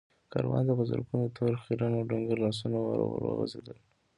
کاروان ته په زرګونو تور، خيرن او ډنګر لاسونه ور وغځېدل.